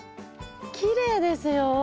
きれいですよ。